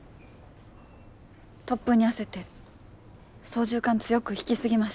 突風に焦って操縦かん強く引き過ぎました。